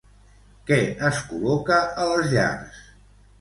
Què es col·loca a les llars?